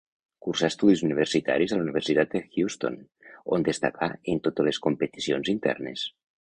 Cursà estudis universitaris a la Universitat de Houston, on destacà en totes les competicions internes.